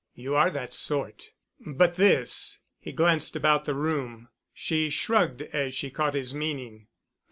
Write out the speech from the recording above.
You are that sort. But this——," and he glanced about the room. She shrugged as she caught his meaning.